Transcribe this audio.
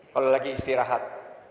kalau lagi istirahat